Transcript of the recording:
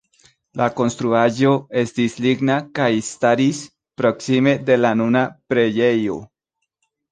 La konstruaĵo estis ligna kaj staris proksime de la nuna preĝejo.